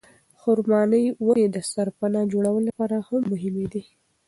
خورما ونې د سرپناه جوړولو لپاره هم مهمې دي.